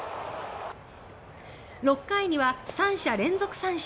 ６回には３者連続三振。